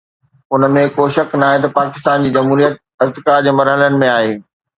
ان ۾ ڪو شڪ ناهي ته پاڪستان جي جمهوريت ارتقا جي مرحلن ۾ آهي.